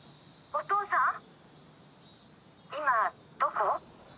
お父さん今どこ？